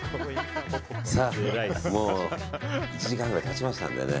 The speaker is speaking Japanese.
もう１時間くらい経ちましたのでね